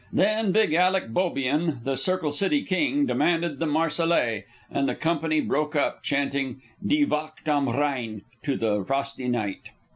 Then big Alec Beaubien, the Circle City king, demanded the "Marseillaise," and the company broke up chanting "Die Wacht am Rhein" to the frosty night.